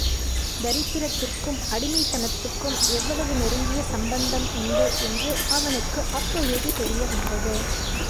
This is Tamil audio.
தரித்திரத்திற்கும் அடிமைத்தனத்துக்கும் எவ்வளவு நெருங்கிய சம்பந்தம் உண்டு என்று அவனுக்கு அப்பொழுது தெரிய வந்தது.